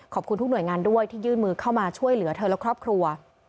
ขอบคุณทุกหน่วยงานด้วยที่ยื่นมือเข้ามาช่วยเหลือเธอและครอบครัว